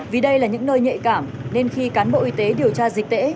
vì đây là những nơi nhạy cảm nên khi cán bộ y tế điều tra dịch tễ